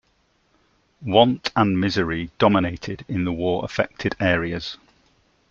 Want and misery dominated in the war-affected areas.